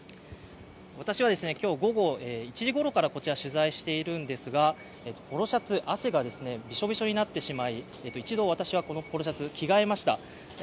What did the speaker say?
私は今日午後１時ごろからこちら取材しているんですが、ポロシャツ、汗でびしょびしょになってしまい一度私はこのポロシャツ、着替えました。